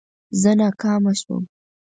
زه ناکامه شوم